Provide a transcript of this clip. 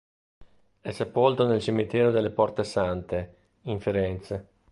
È sepolto nel cimitero delle Porte Sante in Firenze.